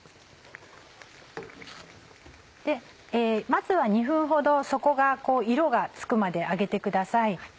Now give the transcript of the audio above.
まずは２分ほど底が色がつくまで揚げてください。